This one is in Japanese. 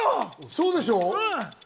そうでしょう。